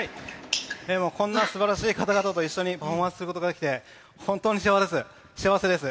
こんなすばらしい方々と一緒にパフォーマンスすることができて、本当に幸せです。